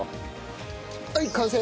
はい完成！